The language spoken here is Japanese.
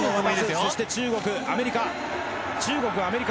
そして中国、アメリカ。